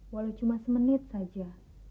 walau cuma semenit saja